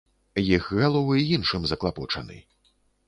Іх галовы іншым заклапочаны.